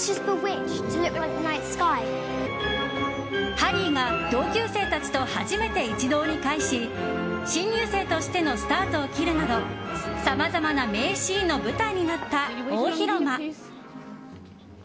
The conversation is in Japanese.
ハリーが同級生たちと初めて一堂に会し新入生としてのスタートを切るなどさまざまな名シーンの舞台になった大広間。